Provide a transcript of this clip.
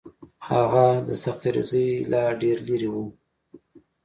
هغه د سختدریځۍ لا ډېر لرې و.